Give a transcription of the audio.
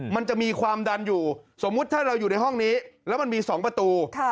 มันจะมีความดันอยู่สมมุติถ้าเราอยู่ในห้องนี้แล้วมันมี๒ประตู